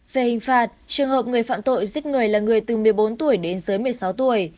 về hình phạt trường hợp người phạm tội giết người là người từ một mươi bốn tuổi đến dưới một mươi sáu tuổi